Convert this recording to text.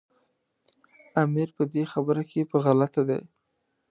امیر په دې خبره کې په غلطه دی.